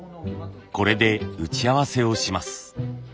これで打ち合わせをします。